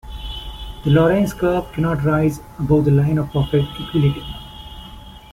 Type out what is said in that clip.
The Lorenz curve cannot rise above the line of perfect equality.